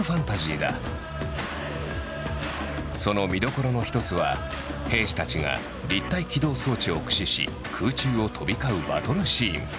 その見どころの一つは兵士たちが立体機動装置を駆使し空中を飛び交うバトルシーン。